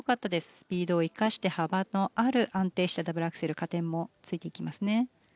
スピードを生かして幅のある安定したダブルアクセル加点もついていきますね。